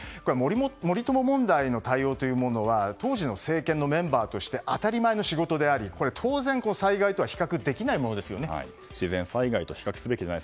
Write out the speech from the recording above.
森友問題の対応というものは当時の政権のメンバーとして当たり前の仕事でありこれは当然、災害とは自然災害と比較すべきではない。